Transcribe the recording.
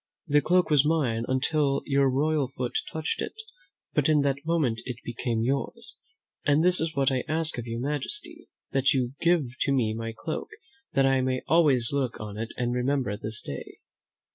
The cloak was mine until your royal foot touched it, but in that moment it became yours. And this is what I ask of your majesty, that you give to me my cloak that I may always look on it and remember this day."